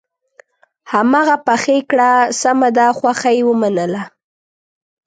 هماغه پخې کړه سمه ده خوښه یې ومنله.